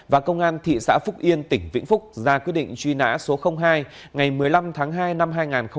và công an thị xã phúc yên tỉnh vĩnh phúc ra quyết định truy nã số hai ngày một mươi năm tháng hai năm hai nghìn một mươi